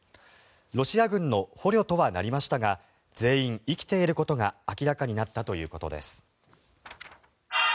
ロシア軍の捕虜とはなりましたが全員生きていることが明らかになったということです。